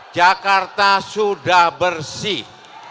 jakarta sudah bersih